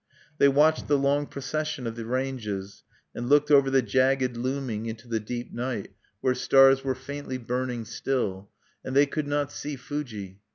They watched the long procession of the ranges, and looked over the jagged looming into the deep night, where stars were faintly burning still, and they could not see Fuji.